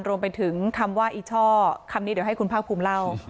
รวมไปถึงคำว่าอีช่อคำนี้เดี๋ยวให้คุณภาคภูมิเล่า